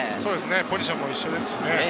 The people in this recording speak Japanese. ポジションも一緒ですしね。